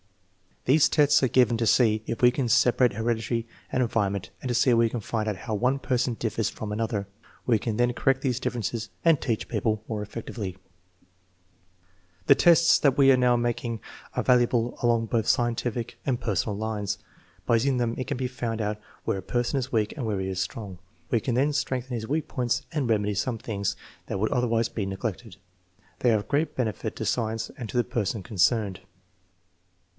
"These tests are given to see if we can separate heredity and en vironment and to see if we can find out how one person differs from another. We can then correct these differences and teach people more effectively." 34 THE MEASUREMENT OF INTELLIGENCE "The tests that we are now making are valuable along both scientific and personal lines. By using them it can be found out where a person is weak and where he is strong. We can then strengthen his weak points and remedy some things that would otherwise be neglected. They are of great benefit to science and to the person concerned.